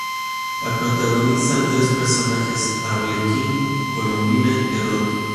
La protagonizan tres personajes: Arlequín, Colombina y Pierrot.